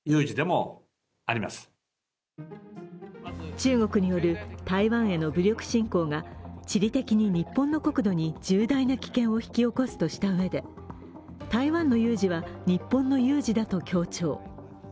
中国による台湾への武力侵攻が地理的に日本の国土に重大な危険を引き起こすとしたうえで、台湾の有事は日本の有事だと強調。